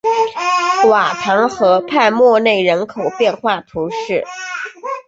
瓦唐河畔默内人口变化图示